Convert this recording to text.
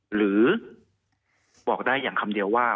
หรือบอกได้อย่างคำเดียวว่า